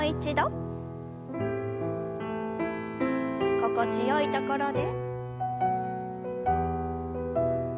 心地よいところで。